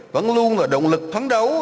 vẫn luôn là động lực phán đấu